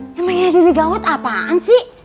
ih emang ini jadi gawat apaan sih